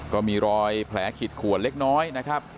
ก็มีรอยแผลขีดขวนเล็กน้อยนะครับ